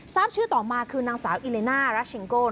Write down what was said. ทราบชื่อต่อมาคือนางสาวอิเลน่ารัชเชงโก้